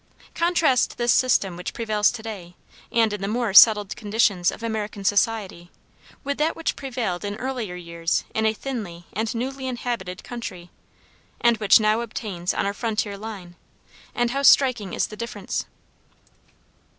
Contrast this system which prevails to day, and in the more settled conditions of American society, with that which prevailed in earlier years in a thinly and newly inhabited country, and which now obtains on our frontier line, and how striking is the difference!